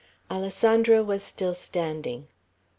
Alessandro was still standing.